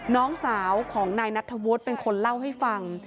น้องสาวของนายนัทธวุฒิเป็นคนเล่าให้ฟัง